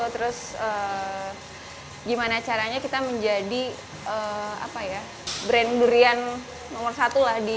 terus gimana caranya kita menjadi brand durian nomor satu lah di